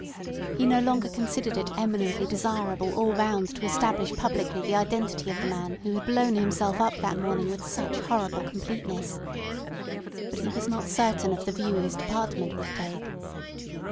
He no longer considered it eminently desirable all round to establish publicly the identity of the man who had blown himself up that morning with such horrible completeness. But he was not certain of the view his department would take.